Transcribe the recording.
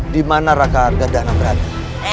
di mana raka harga dana berada